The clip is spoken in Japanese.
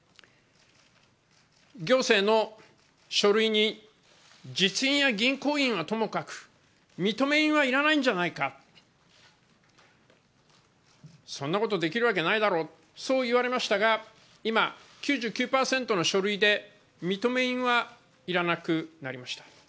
行政の書類に実印や銀行印はともかく認め印はいらないんじゃないか、そんなことできるわけないだろう、そう言われましたが、今９９％の書類で認め印はいらなくなりました。